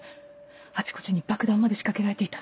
あちこちに爆弾まで仕掛けられていた。